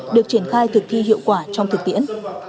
được triển khai thực thi hiệu quả trong thực tiễn